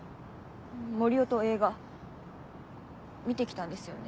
森生と映画見て来たんですよね？